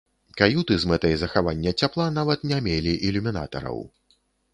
Каюты з мэтай захавання цяпла нават не мелі ілюмінатараў.